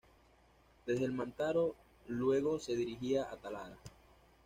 Desde el Mantaro luego se dirigirá a Talara.